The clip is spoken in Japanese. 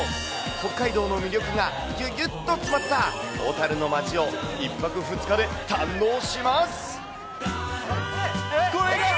北海道の魅力がぎゅぎゅっと詰まった小樽の街を、１泊２日で堪能します。